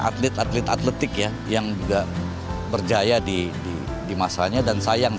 atlet atlet atletik ya yang juga berjaya di masanya dan sayang